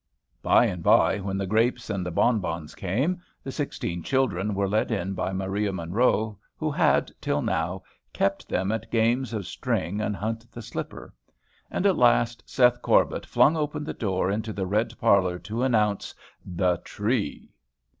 By and by, when the grapes and the bonbons came, the sixteen children were led in by Maria Munro, who had, till now, kept them at games of string and hunt the slipper. And, at last, Seth Corbet flung open the door into the red parlor to announce "The Tree."